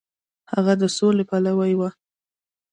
هغه د سولې پلوی و.